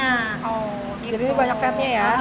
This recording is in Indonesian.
jadi ini banyak fatnya ya